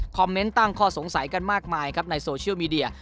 เมนต์ตั้งข้อสงสัยกันมากมายครับในโซเชียลมีเดีย